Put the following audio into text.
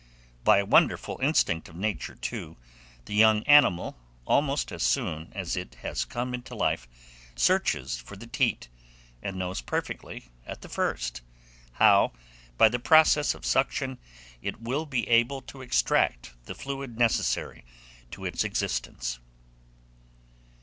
By a wonderful instinct of Nature, too, the young animal, almost as soon as it has come into life, searches for the teat, and knows perfectly, at the first, how, by the process of suction, it will be able to extract the fluid necessary to its existence.